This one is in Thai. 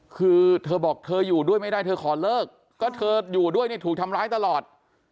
คือเธอบอกเธออยู่ด้วยไม่ได้เธอขอเลิกก็เธออยู่ด้วยเนี่ยถูกทำร้ายตลอด